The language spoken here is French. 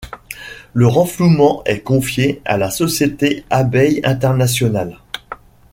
Le renflouement est confié à la société Abeilles International.